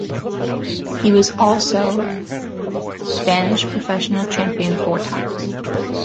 He was also Spanish professional champion four times.